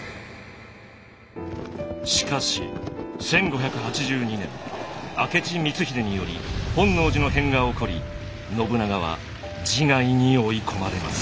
しかし１５８２年明智光秀により本能寺の変が起こり信長は自害に追い込まれます。